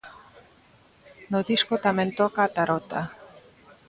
No disco tamén toca a tarota.